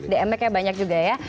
dm nya banyak juga ya